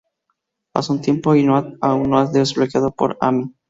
Pasa un tiempo y Noah aun no es desbloqueado por Amy.